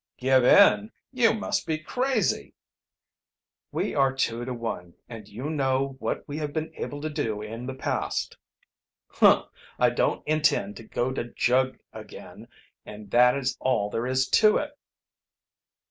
"Give in! You must be crazy!" "We are two to one, and you know what we have been able to do in the past." "Humph! I don't intend to go to jug again, and that is all there is to it."